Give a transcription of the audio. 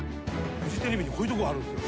フジテレビにこういうとこあるんすよ。